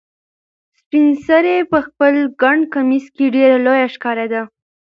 سپین سرې په خپل ګڼ کمیس کې ډېره لویه ښکارېده.